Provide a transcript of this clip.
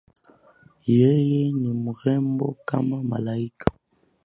Yeye ni mrembo kama malaika